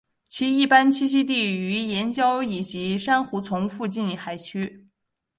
其一般栖息于岩礁以及珊瑚丛附近海区。